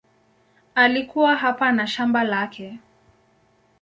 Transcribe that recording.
Alikuwa hapa na shamba lake.